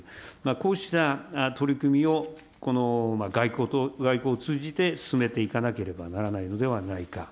こうした取り組みを外交を通じて進めていかなければならないのではないか。